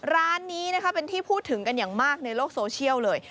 ร้านนี้นะคะเป็นที่พูดถึงกันอย่างมากในโลกโซเชียลเลย